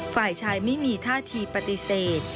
ฝ่ายชายไม่มีท่าทีปฏิเสธ